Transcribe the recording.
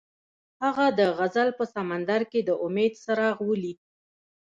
هغه د غزل په سمندر کې د امید څراغ ولید.